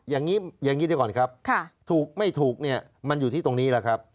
อย่างนี้ด้วยก่อนครับถูกไม่ถูกมันอยู่ที่ตรงนี้แหละครับ